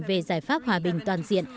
về giải pháp hòa bình toàn diện